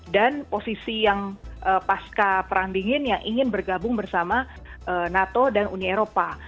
dan posisi yang pasca perang dingin yang ingin bergabung bersama nato dan uni eropa